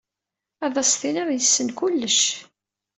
Ad as-tiniḍ yessen kullec.